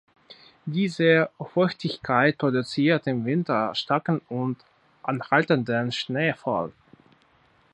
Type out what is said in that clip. Diese Feuchtigkeit produziert im Winter starken und anhaltenden Schneefall.